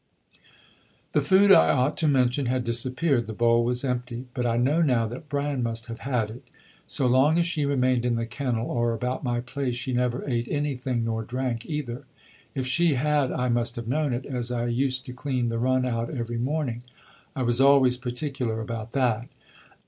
"The food, I ought to mention, had disappeared: the bowl was empty. But I know now that Bran must have had it. So long as she remained in the kennel or about my place she never ate anything, nor drank either. If she had I must have known it, as I used to clean the run out every morning. I was always particular about that.